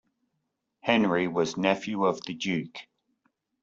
Henry was nephew of the Duke.